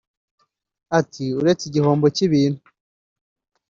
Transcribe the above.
Ati "Uretse igihombo cy’ibintu